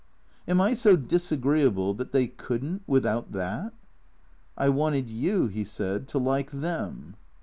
" Am I so disagreeable that they could n't — without that ?"" I wanted you," he said, " to like them."